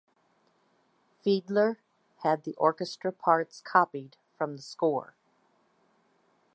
Fiedler had the orchestra parts copied from the score.